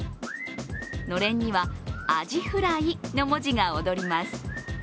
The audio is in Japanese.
のれんにはアジフライの文字が踊ります。